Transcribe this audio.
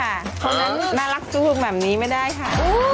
คนนั้นน่ารักสูงแบบนี้ไม่ได้ค่ะ